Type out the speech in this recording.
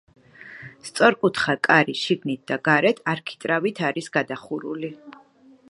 სწორკუთხა კარი შიგნით და გარეთ არქიტრავით არის გადახურული.